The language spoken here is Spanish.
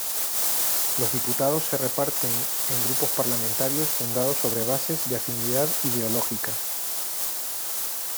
Los diputados se reparten en grupos parlamentarios fundados sobre bases de afinidad ideológica.